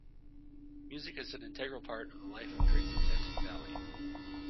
Music is an integral part of the life of Driggs and Teton Valley.